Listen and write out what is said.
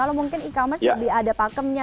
kalau mungkin e commerce lebih ada pakemnya